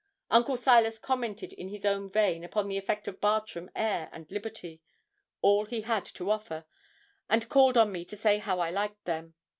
Uncle Silas commented in his own vein upon the effect of Bartram air and liberty, all he had to offer; and called on me to say how I liked them.